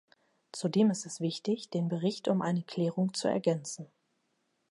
Zudem ist es wichtig, den Bericht um eine Klärung zu ergänzen.